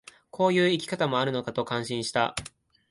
こういう生き方もあるのかと感心した